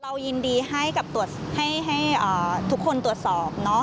เรายินดีให้ทุกคนตรวจสอบ